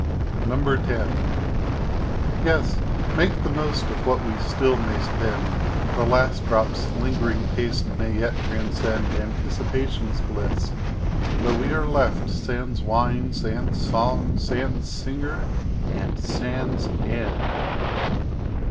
X Yes, make the most of what we still may spend; The last Drop's lingering Taste may yet transcend Anticipation's Bliss though we are left Sans Wine, Sans Song, Sans Singer, and Sans End.